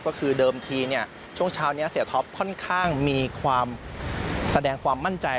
ก็คือเดิมทีช่วงเช้านี้เสียท็อปค่อนข้างมีความแสดงความมั่นใจ